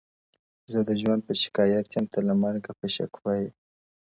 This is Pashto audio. زه د ژوند په شکايت يم؛ ته له مرگه په شکوه يې؛